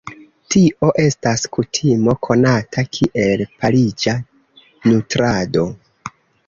Tio estas kutimo konata kiel "pariĝa nutrado".